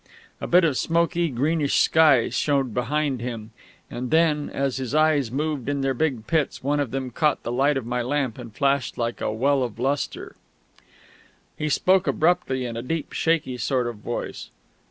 A bit of smoky, greenish sky showed behind him; and then, as his eyes moved in their big pits, one of them caught the light of my lamp and flashed like a well of lustre. He spoke abruptly, in a deep, shaky sort of voice.